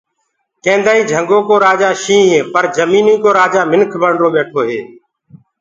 ڪينٚدآئينٚ جھنٚگو ڪو رآجآ شيٚهنٚ هي پر جميٚنيٚ ڪو رآجآ منک بڻرو ٻيٺو هي